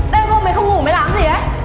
đêm hôm mày không ngủ mày làm gì đấy